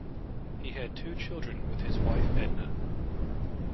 He had two children with his wife, Edna.